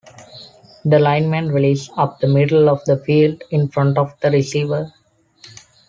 The linemen release up the middle of the field in front of the receiver.